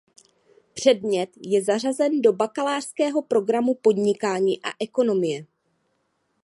Předmět je zařazen do bakalářského programu Podnikání a ekonomie.